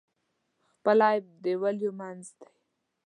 خپل عیب د ولیو منځ دی.